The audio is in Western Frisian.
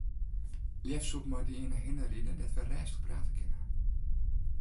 Leafst soe ik mei dy earne hinne ride dêr't wy rêstich prate kinne.